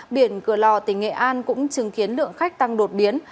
biển cửa lò tỉnh nghệ an cũng chứng kiến lượng khách tăng đột biến